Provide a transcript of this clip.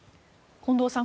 近藤さん